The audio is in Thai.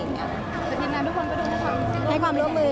ส่วนคลิปหน้าทุกคนก็ดูให้ความร่วมมือ